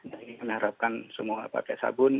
dan ini kami harapkan semua pakai sabun